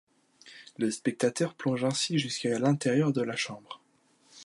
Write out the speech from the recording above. Le spectateur plonge ainsi jusqu'à l'intérieur de la chambre.